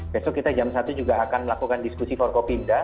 besok kita jam satu juga akan melakukan diskusi forkopimda